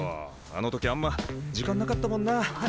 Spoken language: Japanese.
あの時あんま時間なかったもんなあ。